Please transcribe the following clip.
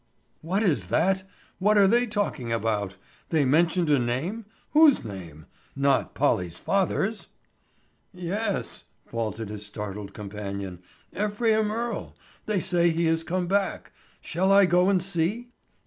"What is that? What are they talking about? They mentioned a name? Whose name? Not Polly's father's?" "Yes," faltered his startled companion. "Ephraim Earle; they say he has come back. Shall I go and see?"